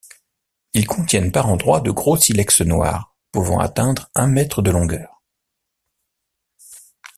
Ils contiennent par endroits de gros silex noirs pouvant atteindre un mètre de longueur.